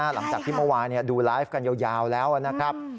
หลังจากที่เมื่อวานดูไลฟ์กันยาวแล้วนะครับ